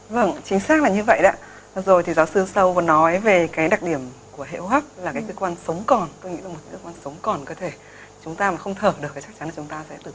vâng chính xác là như vậy đã rồi thì giáo sư sâu và nói về cái đặc điểm của hệ hốp là cái cơ quan sống còn tôi nghĩ là một cái cơ quan sống còn cơ thể chúng ta mà không thở được thì chắc chắn là chúng ta sẽ tử vong